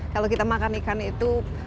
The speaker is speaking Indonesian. kalau kita makan ikan itu